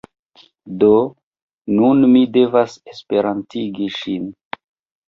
Do, nun mi devas esperantistigi ŝin